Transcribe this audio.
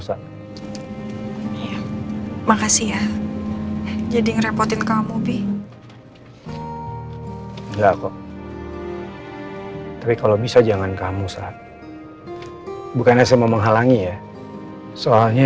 enggak makasih ya jadi ngerepotin kamu bi enggak kok tapi kalau bisa jangan kamu saat bukannya saya mau menghalangi ya soalnya